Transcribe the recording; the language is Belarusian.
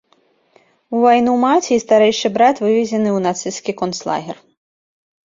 У вайну маці і старэйшы брат вывезены ў нацысцкі канцлагер.